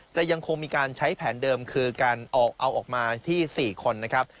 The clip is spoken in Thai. จะยังคงมีการใช้แผนเดิมคือการออกเอาออกมาที่๔คนนะครับ